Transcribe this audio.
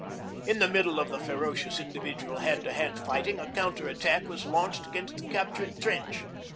In the middle of the ferocious individual hand to hand fighting a counter attack was launched against the captured trench.